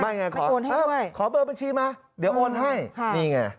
ไม่ไงขอเบอร์บัญชีมาเดี๋ยวโอนให้นี่ไง